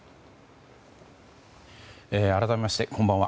改めまして、こんばんは。